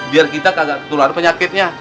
biar kita agak ketular penyakitnya